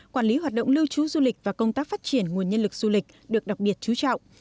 quản lý hoạt động lưu trú du lịch và công tác phát triển nguồn nhân lực du lịch được đặc biệt chú trọng